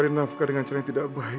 ringankanlah penderitaanku ini ya allah